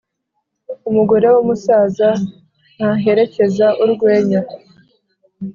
Umugore w’umusaza ntaherekeza urwenya.